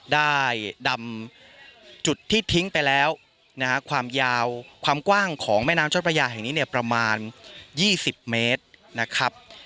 ดำจุดที่ทิ้งไปแล้วนะฮะความยาวความกว้างของแม่น้ำเจ้าพระยาแห่งนี้เนี่ยประมาณ๒๐เมตรนะครับ